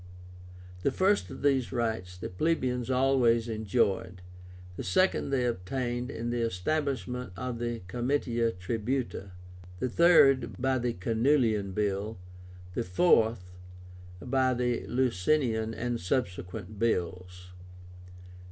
The first of these rights the plebeians always enjoyed; the second they obtained in the establishment of the COMITIA TRIBÚTA; the third by the CANULEIAN BILL; the fourth by the LICINIAN and subsequent bills.